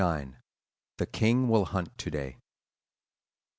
IX. THE KING WILL HUNT TO DAY.